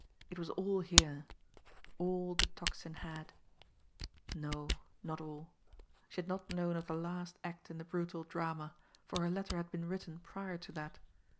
It was all here, all, the Tocsin had no, not all! She had not known of the last act in the brutal drama, for her letter had been written prior to that.